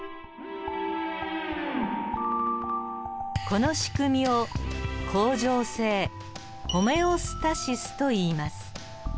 この仕組みを恒常性ホメオスタシスといいます。